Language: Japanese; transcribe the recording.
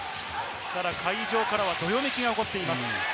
ただ、会場からはどよめきが起こっています。